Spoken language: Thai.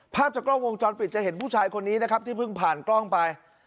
ภาพจากกล้องวงจรปิดจะเห็นผู้ชายคนนี้นะครับที่เพิ่งผ่านกล้องไป